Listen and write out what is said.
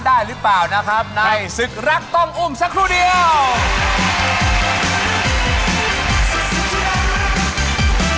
ในช่วงสุดท้ายครับ